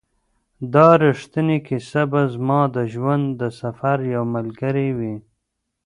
دا ریښتینې کیسه به زما د ژوند د سفر یو ملګری وي.